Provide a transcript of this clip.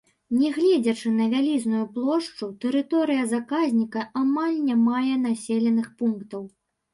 Негледзячы на вялізную плошчу, тэрыторыя заказніка амаль не мае населеных пунктаў.